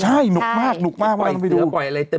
เป็นการกระตุ้นการไหลเวียนของเลือด